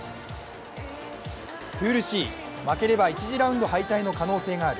プールＣ、負ければ１次ラウンド敗退の可能性もある